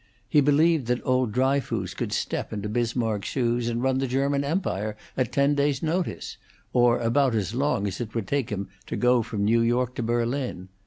He believed that old Dryfoos could step into Bismarck's shoes and run the German Empire at ten days' notice, or about as long as it would take him to go from New York to Berlin.